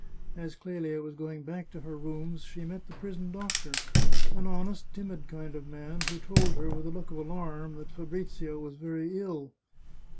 As Clelia was going back to her rooms she met the prison doctor, an honest, timid kind of man, who told her, with a look of alarm, that Fabrizio was very ill.